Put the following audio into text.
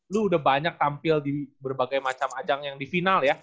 lu udah banyak tampil di berbagai macam ajang yang di final ya